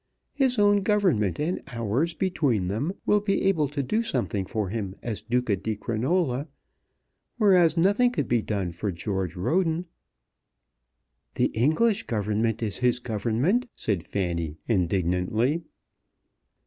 His own Government and ours between them will be able to do something for him as Duca di Crinola, whereas nothing could be done for George Roden." "The English Government is his Government," said Fanny indignantly.